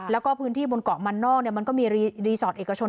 แล้วก็พื้นที่บนเกาะมันนอกมันก็มีรีสอร์ทเอกชน